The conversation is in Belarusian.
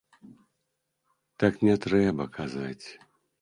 Так не трэба казаць.